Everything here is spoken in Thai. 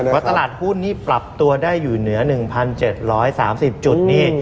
ตลาดหุ้นนี่ปรับตัวได้อยู่เหนือ๑๗๓๐จุดนี่